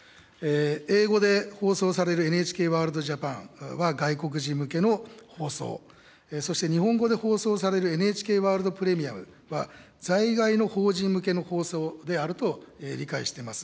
英語で放送されるＮＨＫワールドＪＡＰＡＮは外国人向けの放送、そして日本語で放送されるＮＨＫワールド・プレミアムは、在外の法人向けの放送であると理解してます。